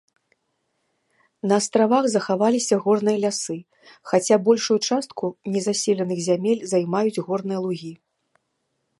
На астравах захаваліся горныя лясы, хаця большую частку незаселеных зямель займаюць горныя лугі.